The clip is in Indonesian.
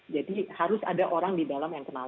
jadi harus ada orang di dalam yang kenal